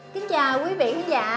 kính chào quý vị khán giả